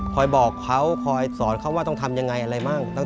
คอยบอกเขาคอยสอนเขาว่าต้องทำอะไรบ้าง